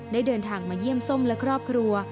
เดินทางมาเยี่ยมส้มและครอบครัว